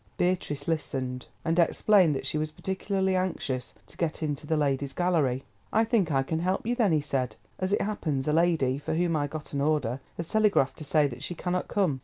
Beatrice listened, and explained that she was particularly anxious to get into the Ladies' Gallery. "I think that I can help you, then," he said. "As it happens a lady, for whom I got an order, has telegraphed to say that she cannot come.